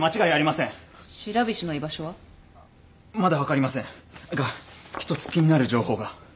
まだ分かりませんが１つ気になる情報が。